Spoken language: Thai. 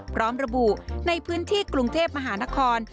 พร้อมระบุในพื้นที่กรุงเทพมหานคร